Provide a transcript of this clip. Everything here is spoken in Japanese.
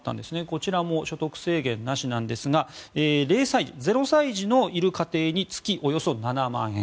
こちらも所得制限なしなんですが０歳児のいる家庭に月およそ７万円